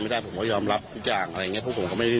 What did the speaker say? ไม่ได้ผมก็ยอมรับทุกอย่างอะไรเงี้ยทุกผมก็ไม่ได้